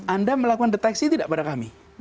anda melakukan deteksi tidak pada kami